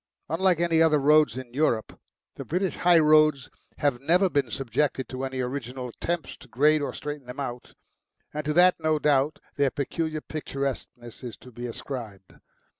Unlike any other roads in Europe the British high roads have never been subjected to any organised attempts to grade or straighten them out, and to that no doubt their peculiar picturesqueness is to be ascribed.